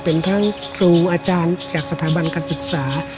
เป็นทั้งครูอาจารย์จากสถาบันการศึกษา